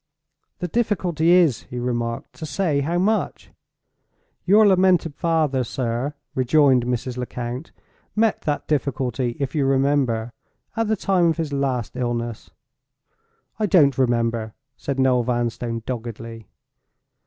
"The difficulty is," he remarked, "to say how much." "Your lamented father, sir," rejoined Mrs. Lecount, "met that difficulty (if you remember) at the time of his last illness?" "I don't remember," said Noel Vanstone, doggedly.